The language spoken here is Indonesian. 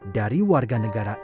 dari warga negara irlanda